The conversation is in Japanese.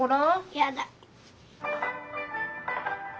やだ。